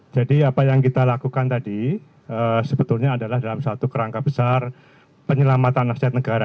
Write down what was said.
jadi apa yang kita lakukan tadi sebetulnya adalah dalam satu kerangka besar penyelamatan nasihat negara